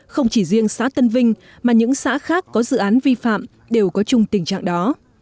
không chỉ riêng xã tân vinh mà những xã khác có dự án vi phạm đều có chung tình trạng đó